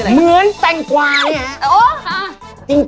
เหมือนแตงกวาเนี่ย